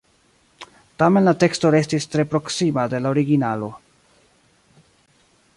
Tamen la teksto restis tre proksima de la originalo.